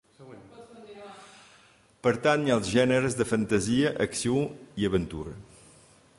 Pertany als gèneres de fantasia, acció i aventura.